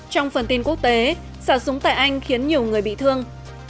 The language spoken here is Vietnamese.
trong phần tin quốc tế xả súng tại anh khiến nhiều người bị thương